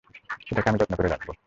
এটাকে আমি যত্ন করে রাখব।